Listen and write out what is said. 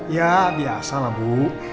ya biasa lah bu